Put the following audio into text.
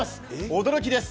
驚きです！